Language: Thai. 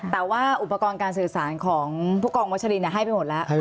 แต่ว่าอุปกรณ์การสื่อสารของผู้กองวัชลินให้ไปหมดแล้ว